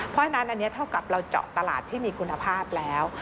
เพราะฉะนั้นอันนี้เท่ากับเราเจาะตลาดที่มีคุณภาพแล้ว